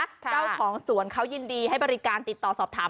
เจ้าของสวนเขายินดีให้บริการติดต่อสอบถาม